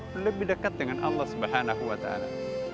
bisa lebih akrab dan lebih dekat dengan allah swt